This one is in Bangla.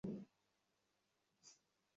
কেন এখানে এসেছেন সেটা জানি, ফাদার।